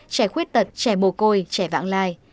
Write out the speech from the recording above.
trẻ khuyết tật trẻ mồ côi trẻ vãng lai